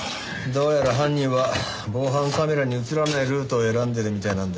どうやら犯人は防犯カメラに映らないルートを選んでるみたいなんだよね。